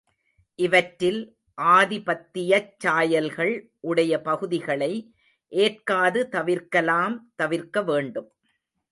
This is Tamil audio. இவற்றில் ஆதிபத்தியச் சாயல்கள் உடைய பகுதிகளை ஏற்காது தவிர்க்கலாம் தவிர்க்க வேண்டும்.